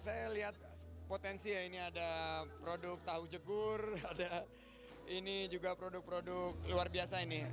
saya lihat potensi ya ini ada produk tahu jegur ada ini juga produk produk luar biasa ini